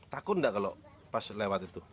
takut enggak kalau lewat itu